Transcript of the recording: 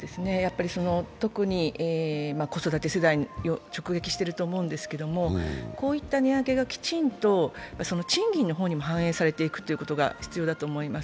特に子育て世代にも直撃してると思うんですけど、こういった値上げがきちんと賃金の方にも反映されていくのが必要だと思います。